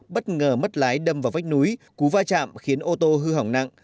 bất ngờ mất lái đâm vào vách núi cú va chạm khiến ô tô hư hỏng nặng